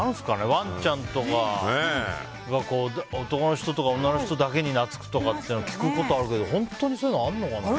ワンちゃんとかが男の人とか女の人とかだけになつくとか聞くことあるけど本当にそういうのあるのかな。